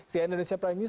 saya indonesia prime news